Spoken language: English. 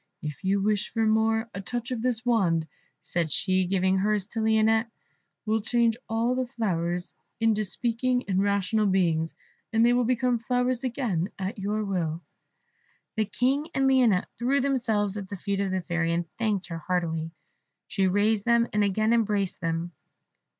If you wish for more, a touch of this wand," said she, giving hers to Lionette, "will change all the flowers into speaking and rational beings, and they will become flowers again at your will." The King and Lionette threw themselves at the feet of the Fairy, and thanked her heartily. She raised them, and again embraced them.